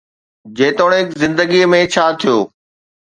جيتوڻيڪ زندگي ۾ ڇا ٿيو؟